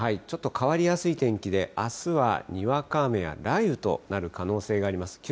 ちょっと変わりやすい天気で、あすはにわか雨や雷雨となる可能性があります。